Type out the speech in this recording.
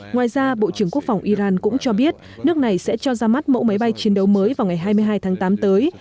ngoài ra bộ trưởng quốc phòng iran cũng cho biết nước này sẽ cho ra mắt mẫu máy bay chiến đấu mới vào ngày hai mươi hai tháng tám tới